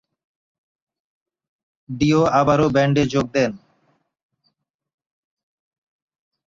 Deo আবারো ব্যান্ডে যোগ দেন।